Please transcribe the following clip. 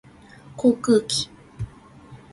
航空機